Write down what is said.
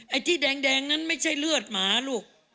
ไอ้ที่แดงนั้นไม่ใช่เลือดหมาลูก